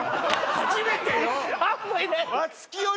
初めてよ！